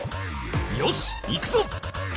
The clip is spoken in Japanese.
よし行くぞ！